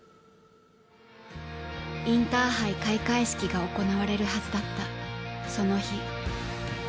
インターハイ開会式が行われるはずだったその日。